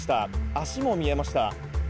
足も見えました。